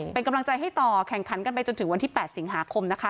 เป็นกำลังใจให้ต่อแข่งขันกันไปจนถึงวันที่๘สิงหาคมนะคะ